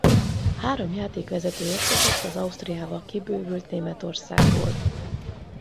Három játékvezető érkezett az Ausztriával kibővült Németországból.